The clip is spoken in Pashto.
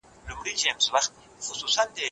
مصرف سوې شپه د کوم شي حکم لري؟